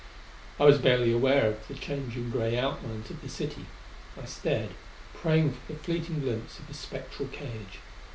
I was barely aware of the changing gray outlines of the city: I stared, praying for the fleeting glimpse of a spectral cage....